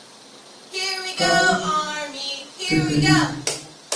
Carlos Tejerizo.